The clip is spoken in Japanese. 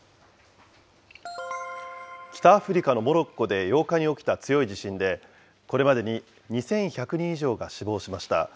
北アフリカのモロッコで８日に起きた強い地震で、これまでに２１００人以上が死亡しました。